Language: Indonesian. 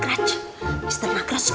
latihan terbakar doang